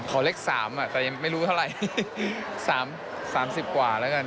ขอเลข๓แต่ยังไม่รู้เท่าไหร่๓๐กว่าแล้วกัน